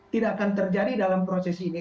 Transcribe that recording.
tidak akan terjadi dalam proses ini